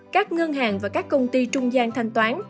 các ngân hàng và các công ty trung gian thanh toán